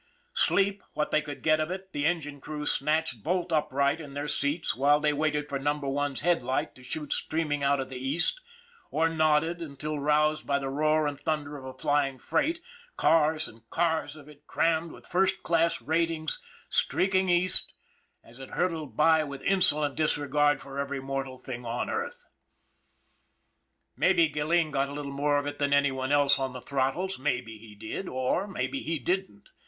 Sleep, what they could get of it, the engine crews snatched bolt upright in their seats while they waited for Number One's headlight to shoot streaming out of the East, or nodded until roused by the roar and thunder of a flying freight, cars and cars of it crammed with first class ratings, streaking East, THE BLOOD OF KINGS 189 as it hurtled by with insolent disregard for every mortal thing on earth. Maybe Gilleen got a little more of it than any one else on the throttles, maybe he did or maybe he didn't.